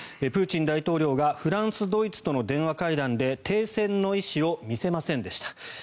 プーチン大統領がフランス、ドイツとの電話会談で停戦の意思を見せませんでした。